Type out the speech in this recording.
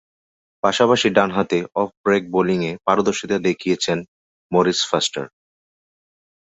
পাশাপাশি ডানহাতে off break বোলিংয়ে পারদর্শীতা দেখিয়েছেন মরিস ফস্টার।